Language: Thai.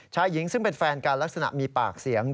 หญิงซึ่งเป็นแฟนกันลักษณะมีปากเสียง